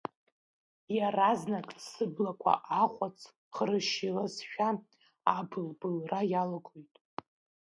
Иаразнак сыблақәа ахәац хыршьылазшәа абыл-былра иалагоит.